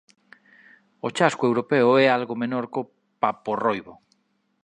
O chasco europeo é algo menor có paporroibo.